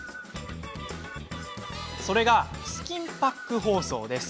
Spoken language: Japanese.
それがスキンパック包装です。